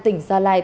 tỉnh gia lai